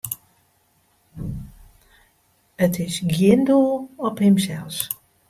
It is gjin doel op himsels.